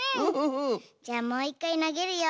じゃあもう１かいなげるよ。